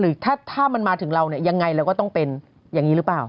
หรือถ้ามันมาถึงเราเนี่ยยังไงเราก็ต้องเป็นอย่างนี้หรือเปล่า